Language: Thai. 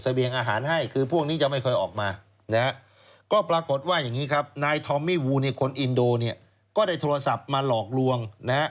ต่างแห่งดอก็ได้โทรศัพท์มาหลอกลวง